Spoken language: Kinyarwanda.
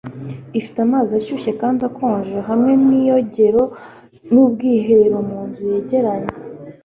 Ifite amazi ashyushye kandi akonje hamwe niyogero nubwiherero munzu yegeranye